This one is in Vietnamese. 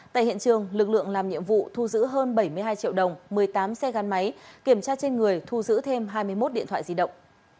tại hiện trường lực lượng làm nhiệm vụ thu giữ hơn bảy mươi hai triệu đồng một mươi tám xe gắn máy kiểm tra trên người thu giữ thêm hai mươi một điện thoại di động